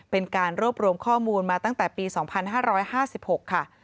เป็นการรวบรวมข้อมูลมาตั้งแต่ปี๒๕๕๖ค่ะ